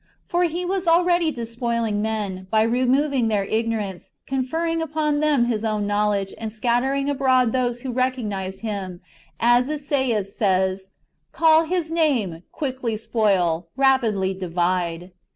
For He was already despoiling men, by removing their ignorance, confer ring upon them His own knowledge, and scattering abroad those who recognised Him, as Esaias says :" Call His name, Quickly spoil, Kapidly divide."